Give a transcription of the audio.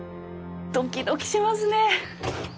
ドキドキしますね。